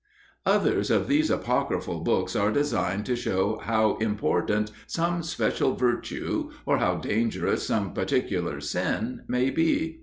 Others of these apocryphal books are designed to show how important some special virtue, or how dangerous some particular sin, may be.